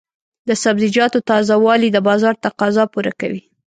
د سبزیجاتو تازه والي د بازار تقاضا پوره کوي.